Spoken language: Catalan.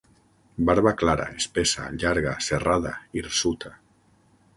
Barba clara, espessa, llarga, serrada, hirsuta.